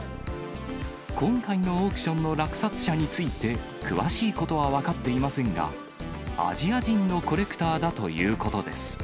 今回のオークションの落札者について詳しいことは分かっていませんが、アジア人のコレクターだということです。